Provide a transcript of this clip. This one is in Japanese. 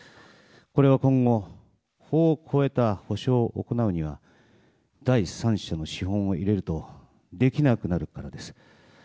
これは今後法を超えた補償を行うには第三者の資本を入れるとできなくなるからです。